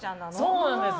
そうなんです。